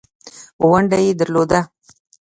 ونډه یې درلوده.